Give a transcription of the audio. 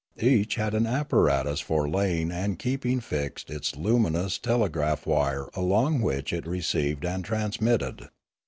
Each had an apparatus for laying and keeping fixed its luminous telegraph wire along which it re ceived and transmitted.